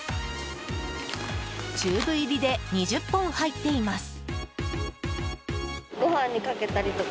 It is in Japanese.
チューブ入りで２０本入っています。